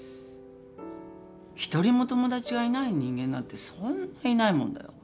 一人も友達がいない人間なんてそんないないもんだよ。